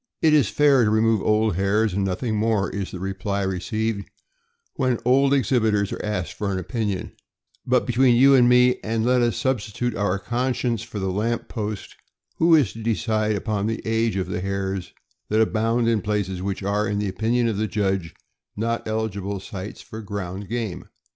It is fair to remove old hairs, and nothing more, is the reply received when old exhibitors are asked for an opinion; but between you and me, and let us sub stitute our conscience for the lamp post, who is to decide upon the age of the hairs that abound in places which are, in the opinion of the judge, not eligible sites for ground game.